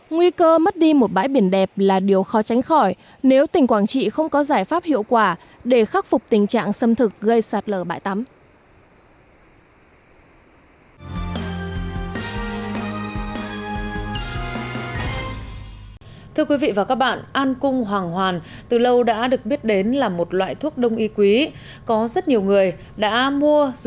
nguy cơ mất đi một bãi biển đẹp là điều khó tránh khỏi nếu tỉnh quảng trị không có giải pháp hiệu quả để khắc phục tình trạng xâm thực gây sạt lở bãi tắm